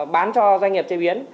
bán cho doanh nghiệp chế biến